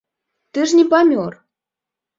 Ты ж не памёр!